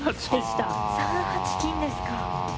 ３八金ですか。